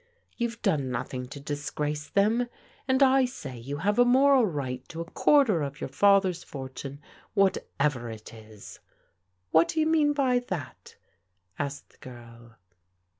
You've done nothing to disgrace them, and I say you have a moral right to a quarter of your father's fortune, whatever it is." " What do you mean by that ?" asked the g^rl.